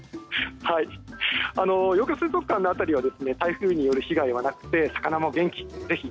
幼魚水族館の辺りは台風による被害はなくて魚も元気です。